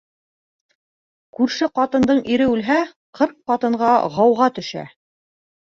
Күрше ҡатындың ире үлһә, ҡырҡ ҡатынға ғауға төшә.